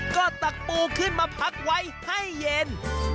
ก็ตักปูขึ้นมาพักไว้ให้เย็น